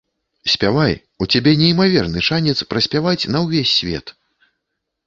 Спявай, у цябе неймаверны шанец праспяваць на ўвесь свет!